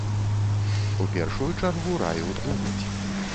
У першую чаргу раю думаць.